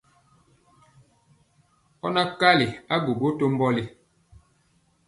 Ɔ naa kwali agwogwo to mbɔli.